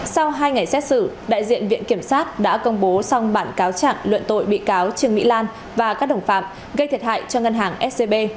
sau hai ngày xét xử đại diện viện kiểm sát đã công bố xong bản cáo trạng luận tội bị cáo trương mỹ lan và các đồng phạm gây thiệt hại cho ngân hàng scb